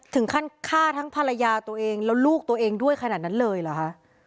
ถึงขั้นฆ่าทั้งภรรยาตัวเองแล้วลูกตัวเองด้วยขนาดนั้นเลยเหรอคะ